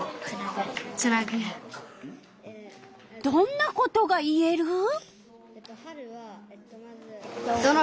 どんなことが言える？